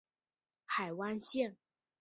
海峡线。